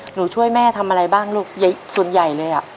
หนูช่วยแม่ทำอะไรบ้างลูกส่วนใหญ่เลยอ่ะ